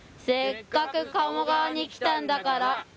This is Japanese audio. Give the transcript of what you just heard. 「せっかく鴨川に来たんだから」